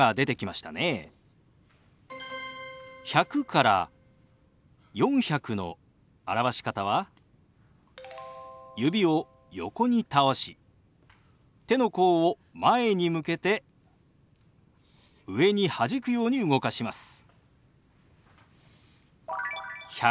１００から４００の表し方は指を横に倒し手の甲を前に向けて上にはじくように動かします。